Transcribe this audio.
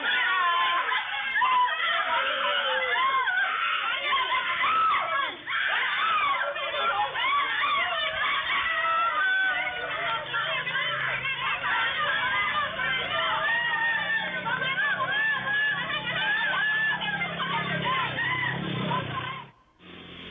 นี่